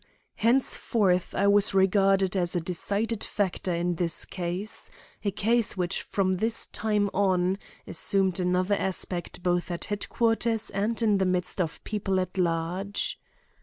Henceforth, I was regarded as a decided factor in this case—a case which from this time on, assumed another aspect both at headquarters and in the minds of people at large.